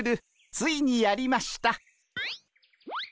ついにやりました。